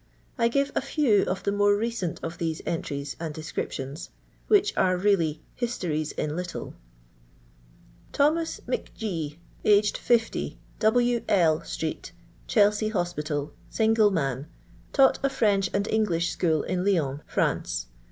I give a few of the more recent of these entries and* descriptions, which are really " histories in little" :—" Thomas M'G , nged 60, W— L— street, Chelsea Hospital, single man. Taught n French and English school in Lyons, France.